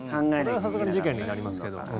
それはさすがに事件になりますけど。